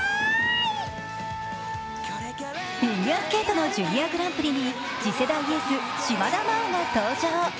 フィギュアスケートのＪｒ．グランプリに次世代エース・島田麻央が登場。